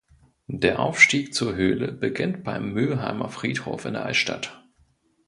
Der Aufstieg zur Höhle beginnt beim Mühlheimer Friedhof in der Altstadt.